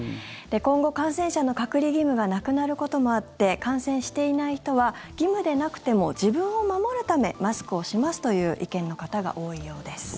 今後、感染者の隔離義務がなくなることもあって感染していない人は義務でなくても自分を守るためマスクをしますという意見の方が多いようです。